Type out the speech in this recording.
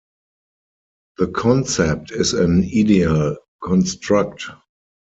The concept is an "ideal construct".